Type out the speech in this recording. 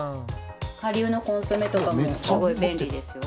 顆粒のコンソメとかもすごい便利ですよ。